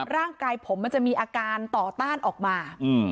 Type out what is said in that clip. ร่างกายผมมันจะมีอาการต่อต้านออกมา